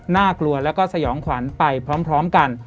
น่ากลัวแล้วก็สยองขวัญไปพร้อมกัน